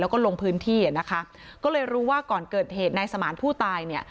แล้วก็ลงพื้นที่อ่ะนะคะก็เลยรู้ว่าก่อนเกิดเหตุนายสมานผู้ตายเนี่ย